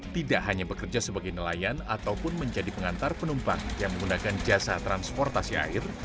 tidak hanya bekerja sebagai nelayan ataupun menjadi pengantar penumpang yang menggunakan jasa transportasi air